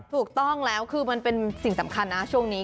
ถูกต้องแล้วคือมันเป็นสิ่งสำคัญนะช่วงนี้